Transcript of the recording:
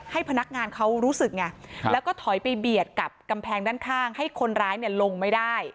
พนักงานเขารู้สึกไงแล้วก็ถอยไปเบียดกับกำแพงด้านข้างให้คนร้ายเนี่ยลงไม่ได้